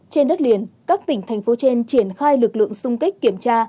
trên đất liền các tỉnh thành phố trên triển khai lực lượng xung kích kiểm tra